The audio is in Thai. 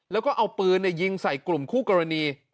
แล้วก็เอาปืนยิงใส่กลุ่มคู่กรณี